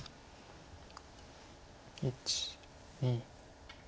１２。